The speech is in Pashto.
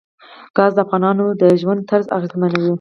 ګاز د افغانانو د ژوند طرز اغېزمنوي.